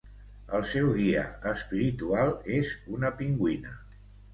El seu guia espiritual és una pingüina.